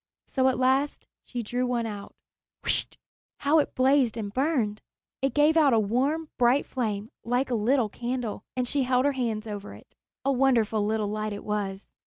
So at last she drew one out. Whischt! How it blazed and burned! It gave out a warm, bright flame like a little candle, as she held her hands over it. A wonderful little light it was.